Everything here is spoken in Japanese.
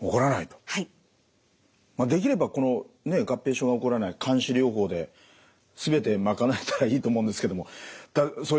できればこの合併症が起こらない監視療法で全て賄えたらいいと思うんですけどもそういうわけにはいかないんですよね？